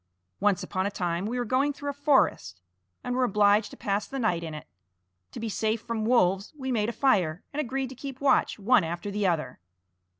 Once upon a time we were going through a forest and were obliged to pass the night in it. To be safe from wolves, we made a fire, and agreed to keep watch one after the other.